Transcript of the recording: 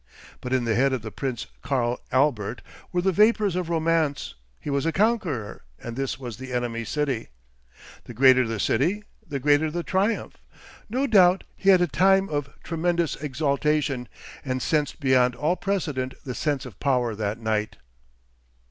But in the head of the Prince Karl Albert were the vapours of romance: he was a conqueror, and this was the enemy's city. The greater the city, the greater the triumph. No doubt he had a time of tremendous exultation and sensed beyond all precedent the sense of power that night.